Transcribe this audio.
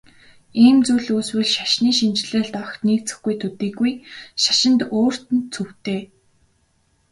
Ийм зүйл үүсвэл шашны шинэчлэлд огт нийцэхгүй төдийгүй шашинд өөрт нь цөвтэй.